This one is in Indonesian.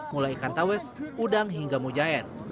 mulai ikan taues udang hingga mujahid